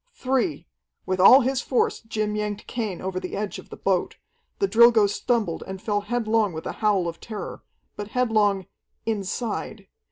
"Three!" With all his force Jim yanked Cain over the edge of the boat. The Drilgo stumbled and fell headlong with a howl of terror. But headlong inside.